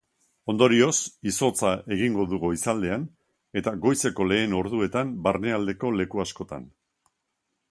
Ondorioz, izotza egingo du goizaldean eta goizeko lehen orduetan barnealdeko leku askotan.